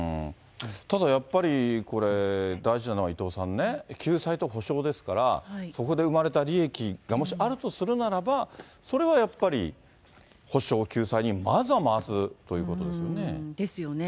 ただやっぱり、これ、大事なのは伊藤さんね、救済と補償ですから、そこで生まれた利益がもしあるとするならば、それはやっぱり補償、救済にまずは回すということですよね。ですよね。